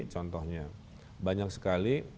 contohnya banyak sekali